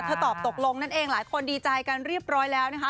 ตอบตกลงนั่นเองหลายคนดีใจกันเรียบร้อยแล้วนะคะ